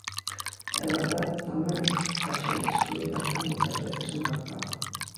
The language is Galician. É verdade, tamén, que era a xente excluída a que moitas veces embarcaba.